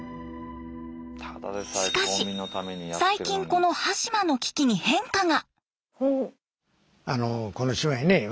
しかし最近この端島の危機に変化が。